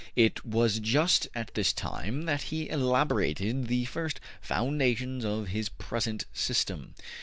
It was just at this time that he elaborated the first foundations of his present system.